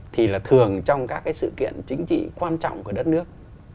thì là thường trong các cái sự kiện chính trị quan trọng của đất nước